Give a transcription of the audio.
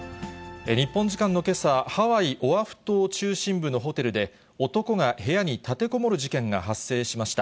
日本時間のけさ、ハワイ・オアフ島中心部のホテルで、男が部屋に立てこもる事件が発生しました。